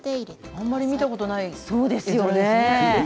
あまり見たことないですね。